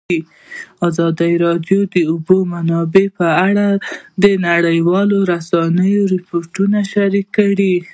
ازادي راډیو د د اوبو منابع په اړه د نړیوالو رسنیو راپورونه شریک کړي.